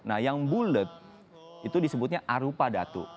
nah yang bulet itu disebutnya arupa datu